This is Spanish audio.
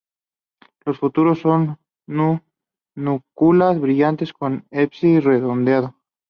Los frutos son núculas brillante con el ápice redondeado.